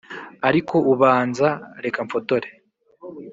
ariko ubanza… reka mfotore.